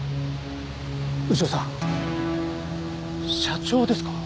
牛尾さん社長ですか？